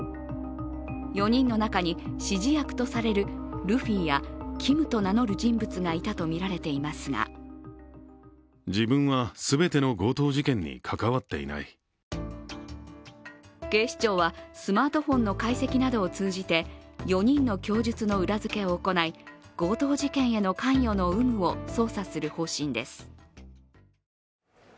４人の中に指示役とされるルフィやＫｉｍと名乗る人物がいたとみられていますが警視庁はスマートフォンの解析などを通じて４人の供述の裏付けを行い、強盗事件への関与の有無を捜査する方針です。